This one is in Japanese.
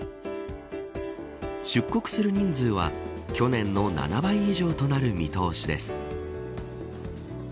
出国する人数は去年の７倍以上となる見通しです。